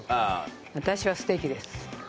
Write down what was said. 私はステーキです。